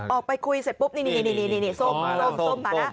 ออกไปคุยเสร็จปุ๊บนี่ส้มมานะ